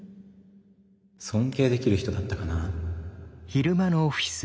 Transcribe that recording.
尊敬できる人だったかなぁ。